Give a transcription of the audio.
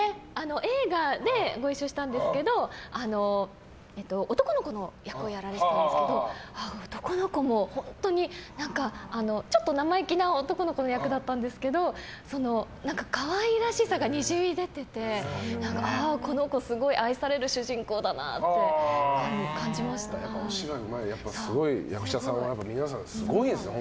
映画でご一緒したんですけど男の子の役をやられてたんですけどちょっと生意気な男の子の役だったんですけど可愛らしさがにじみ出ててああ、この子すごい愛される主人公だなってお芝居がうまいすごい役者さんはみんなすごいんですね。